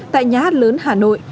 tại nhà hát lớn hà nội